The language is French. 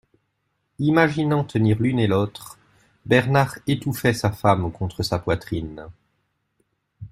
Imaginant tenir l'une et l'autre, Bernard étouffait sa femme contre sa poitrine.